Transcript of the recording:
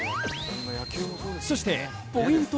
そして、ポイント